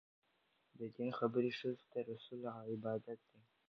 د دین خبرې ښځو ته رسول عبادت دی.